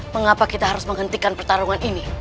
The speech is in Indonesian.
mengapa kita harus menghentikan pertarungan ini